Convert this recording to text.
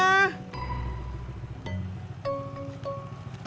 maaf tadi gue lupa